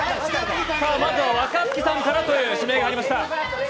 まずは若槻さんからという指名がありました。